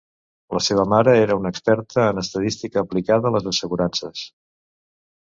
La seva mare era una experta en estadística aplicada a les assegurances.